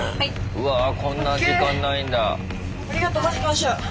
うわこんな時間ないんだ。